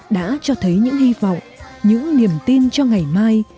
đã cho thấy những hy vọng những niềm tin cho ngày mai